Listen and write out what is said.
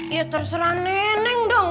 ya terserah neneng dong